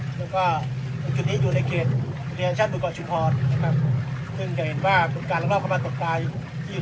จากก่อนหนึ่งที่อังกันนะผู้ร่องร่องเข้ามาตกปลาหนึ่ง